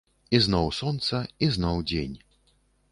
Ізноў сонца, ізноў дзень.